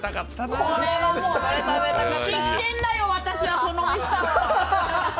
知ってんだよ、私はこのおいしさを。